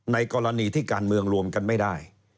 ในกรณีที่การเมืองรวมกันไม่ได้